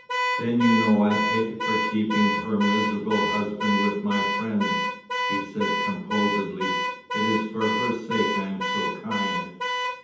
"Then you know I pay for keeping her miserable husband with my friend," he said composedly. "It is for her sake I am so kind."